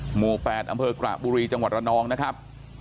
หมู่๘อำเภอกระบุรีจังหวัดระนองนะครับ